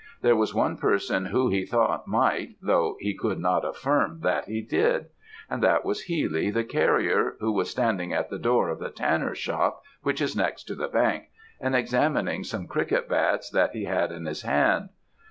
There was one person who he thought might, though he could not affirm that he did; and that was Healy, the carrier, who was standing at the door of the tanner's shop, which is next to the bank, and examining some cricket bats that he had in his hand.